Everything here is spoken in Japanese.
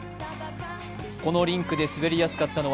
このリンクで滑りやすかったのは。